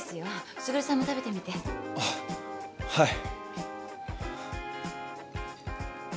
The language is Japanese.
はい。